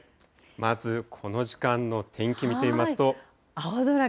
まずこの時間の天気見てみますと。